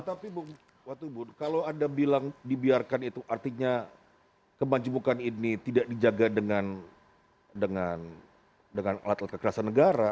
tapi bu watubun kalau anda bilang dibiarkan itu artinya kemanjubukan ini tidak dijaga dengan alat kekerasan negara